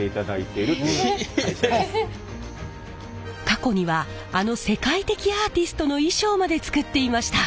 過去にはあの世界的アーティストの衣装まで作っていました！